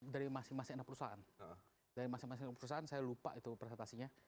dari masing masing anak perusahaan dari masing masing perusahaan saya lupa itu presentasinya